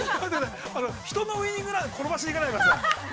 ◆人のウイニングラン転ばしに行かないでください。